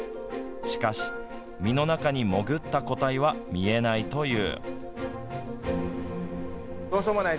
しかし、身の中に潜った個体は見えないという。